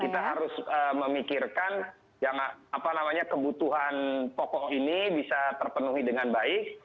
kita harus memikirkan yang apa namanya kebutuhan pokok ini bisa terpenuhi dengan baik